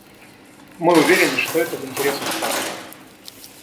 Мы уверены, что это в интересах каждого.